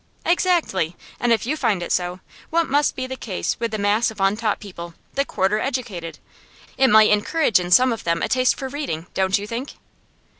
'Exactly! And if you find it so, what must be the case with the mass of untaught people, the quarter educated? It might encourage in some of them a taste for reading don't you think?